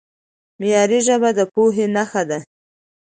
معیاري ژبه د پوهې نښه ده.